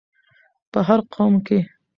په هر قوم کې